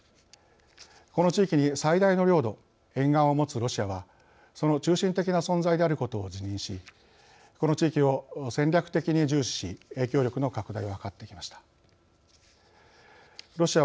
この地域に最大の領土沿岸を持つロシアはその中心的な存在であることを自任しこの地域を戦略的に重視し影響力の拡大を図ってきました。